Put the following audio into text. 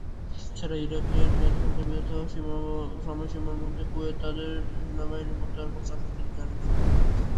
এছাড়া ইরাকের জাতিসংঘের বেঁধে দেয়া সময়সীমার মধ্যে কুয়েত থেকে তাদের সেনাবাহিনী প্রত্যাহার করতে অস্বীকৃতি জানিয়েছিল।